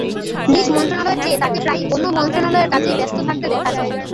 নিজ মন্ত্রণালয়ের চেয়ে তাঁকে প্রায়ই অন্য মন্ত্রণালয়ের কাজেই ব্যস্ত থাকতে দেখা যায়।